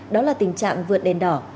đó là tình trạng vượt đèn đỏ